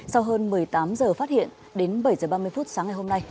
sau hơn một mươi tám giờ phát hiện đến bảy h ba mươi phút sáng ngày hôm nay